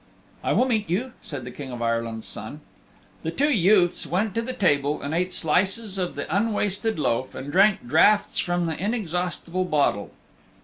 "I will meet you," said the King of Ireland's Son. The two youths went to the table and ate slices of the unwasted loaf and drank draughts from the inexhaustible bottle.